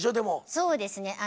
そうですね。